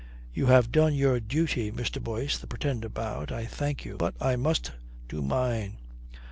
"You have done your duty, Mr. Boyce," the Pretender bowed. "I thank you. But I must do mine."